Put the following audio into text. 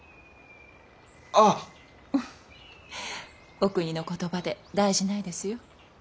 お国の言葉で大事ないですよ。